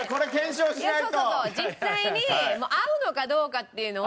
そうそうそう実際に合うのかどうかっていうのを。